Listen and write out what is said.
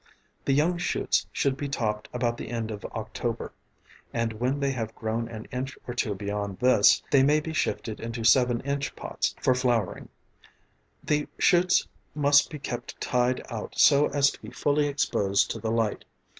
The young shoots should be topped about the end of October, and when they have grown an inch or two beyond this, they may be shifted into 7 in. pots for flowering. The shoots must be kept tied out so as to be fully exposed to the light.